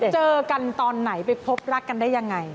เจอกันตอนไหนไปพบรักกันได้ยังไง